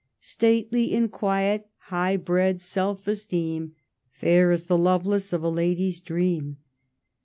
Stately in quiet high bred self esteem, Fair as the Lovelace of a lady's dream.